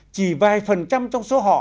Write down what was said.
chỉ vài phần trăm trong số họ